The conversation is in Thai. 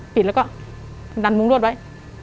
ปิดแล้วก็ดันมุ้งรวดไว้